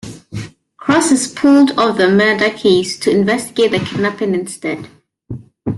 Cross is pulled off the murder case to investigate the kidnapping instead.